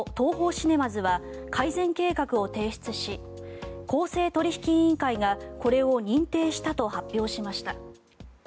シネマズは改善計画を提出し公正取引委員会がこれを認定したと発表しました。